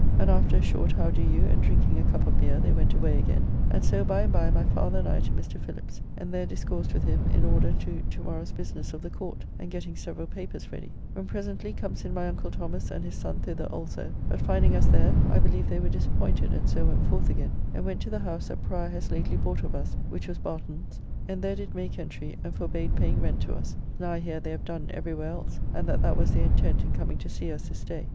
And after a short How do you, and drinking a cup of beer, they went away again, and so by and by my father and I to Mr. Phillips, and there discoursed with him in order to to morrow's business of the Court and getting several papers ready, when presently comes in my uncle Thomas and his son thither also, but finding us there I believe they were disappointed and so went forth again, and went to the house that Prior has lately bought of us (which was Barton's) and there did make entry and forbade paying rent to us, as now I hear they have done everywhere else, and that that was their intent in coming to see us this day.